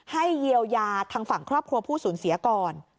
เยียวยาทางฝั่งครอบครัวผู้สูญเสียก่อน